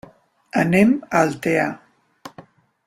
Anem a Altea.